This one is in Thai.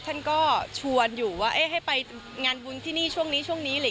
ท่านก็ชวนอยู่ว่าให้ไปงานบุญที่นี่ช่วงนี้ช่วงนี้